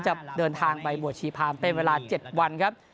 จะเดินทางไปบวชชีพรามเป็นเวลา๗วันครับ